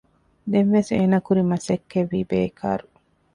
ދެންވެސް އޭނަ ކުރި މަސައްކަތްވީ ބޭކާރު